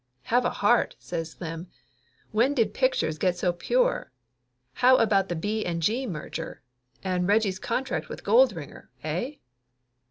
"Have a heart!" says Slim. "When did pictures get so pure? How about the B. and G. merger? And Reggie's contract with Goldringer eh?"